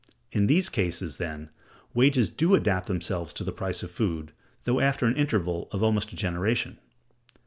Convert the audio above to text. In these cases, then, wages do adapt themselves to the price of food, though after an interval of almost a generation.